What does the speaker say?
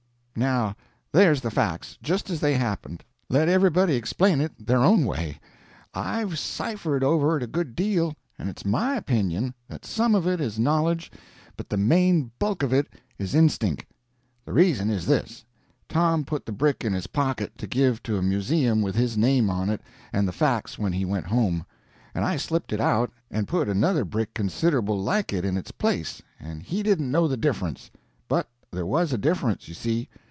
Now there's the facts, just as they happened: let everybody explain it their own way. I've ciphered over it a good deal, and it's my opinion that some of it is knowledge but the main bulk of it is instink. The reason is this: Tom put the brick in his pocket to give to a museum with his name on it and the facts when he went home, and I slipped it out and put another brick considerable like it in its place, and he didn't know the difference—but there was a difference, you see.